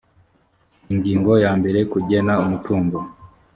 ingingo ya mbere kugena umutungo